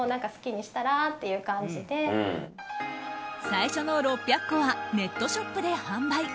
最初の６００個はネットショップで販売。